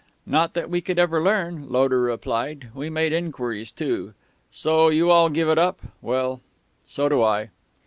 "Not that we could ever learn," Loder replied. "We made inquiries too.... So you all give it up? Well, so do I...."